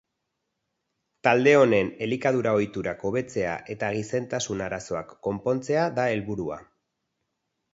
Talde honen elikadura-ohiturak hobetzea eta gizentasun arazoak konpontzea da helburua.